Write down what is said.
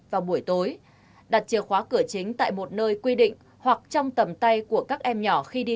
vào buổi tối đặt chìa khóa cửa chính tại một nơi quy định hoặc trong tầm tay của các em nhỏ khi đi